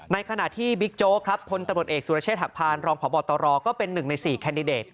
ในขณะที่บิ๊กโจ๊กครับพลตำรวจเอกสุรเชษฐหักพานรองพบตรก็เป็น๑ใน๔แคนดิเดต